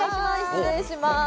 失礼します。